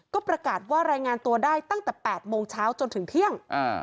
ก็ประกาศว่ารายงานตัวได้ตั้งแต่๘โมงเช้าจนถึงเที่ยง